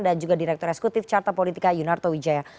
dan juga direktur eksekutif carta politika yunarto wijaya